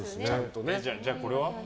じゃあこれは？